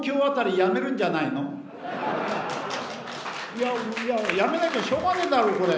いや辞めなきゃしょうがないだろこれ。